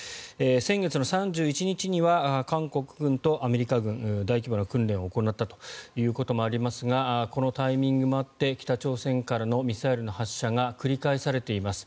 先月３１日には韓国軍とアメリカ軍大規模な訓練を行ったということもありますがこのタイミングもあって北朝鮮からのミサイルの発射が繰り返されています。